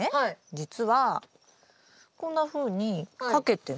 じつはこんなふうに掛けても。